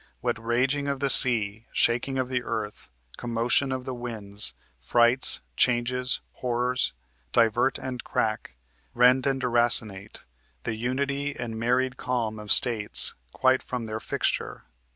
What raging of the sea, shaking of the earth, Commotion of the winds, frights, changes, horrors, Divert and crack, rend and deracinate The unity and married calm of states Quite from their fixture!